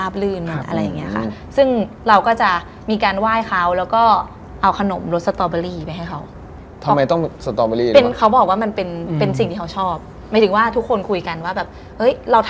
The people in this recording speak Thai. ไปถ่ายละครตามต่างจังหวัด